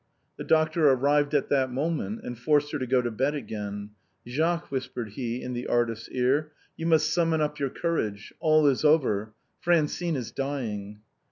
232 THE BOHEMIANS OF THE LATIN QUARTER. The doctor arrived at that moment and forced her to go to bed again. " Jacques," whispered he in the artist's ear," " you must summon up your courage. All is over ; Francine is dying.''